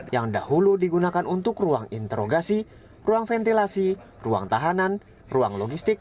yang dahulu digunakan untuk ruang interogasi ruang ventilasi ruang tahanan ruang logistik